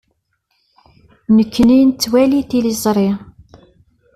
Nekkni nettwali tiliẓri.